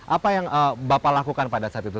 apa yang bapak lakukan pada saat itu